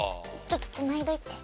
ちょっとつないどいて。